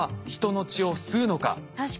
確かに。